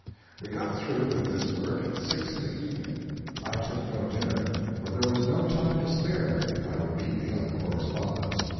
We got through with this work at six in the evening. I took no dinner, for there was no time to spare if I would beat the other correspondents.